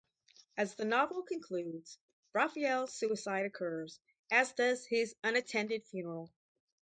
As the novel concludes, Raphael's suicide occurs, as does his unattended funeral.